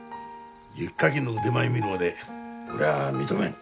雪かきの腕前見るまで俺は認めん。